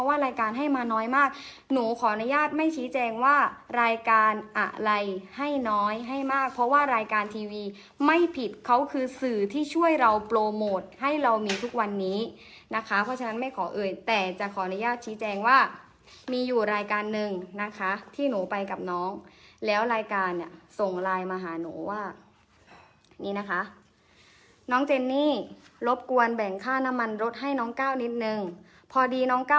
รายการให้มาน้อยมากหนูขออนุญาตไม่ชี้แจงว่ารายการอะไรให้น้อยให้มากเพราะว่ารายการทีวีไม่ผิดเขาคือสื่อที่ช่วยเราโปรโมทให้เรามีทุกวันนี้นะคะเพราะฉะนั้นไม่ขอเอ่ยแต่จะขออนุญาตชี้แจงว่ามีอยู่รายการหนึ่งนะคะที่หนูไปกับน้องแล้วรายการเนี่ยส่งไลน์มาหาหนูว่านี่นะคะน้องเจนนี่รบกวนแบ่งค่าน้ำมันรถให้น้องก้าวนิดนึงพอดีน้องก้าว